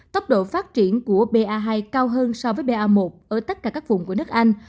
tốc độ phát triển của ba hai cao hơn so với ba một ở tất cả các vùng của nước anh